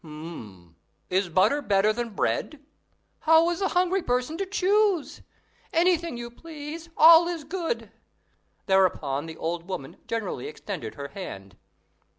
"Hm! Is butter better than bread?" "How is a hungry person to choose? Anything you please, all is good." Thereupon the old woman generally extended her hand.